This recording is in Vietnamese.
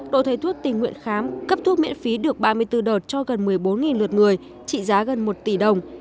đội thầy thuốc tình nguyện khám cấp thuốc miễn phí được ba mươi bốn đợt cho gần một mươi bốn lượt người trị giá gần một tỷ đồng